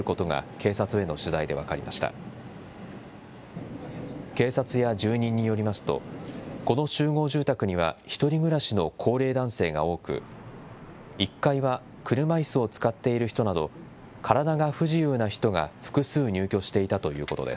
警察や住人によりますと、この集合住宅には１人暮らしの高齢男性が多く、１階は車いすを使っている人など、体が不自由な人が複数入居していたということです。